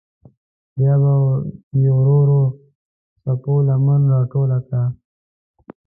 بیا به یې ورو ورو د څپو لمن راټوله کړه.